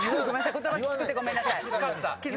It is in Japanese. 言葉きつくてごめんなさい。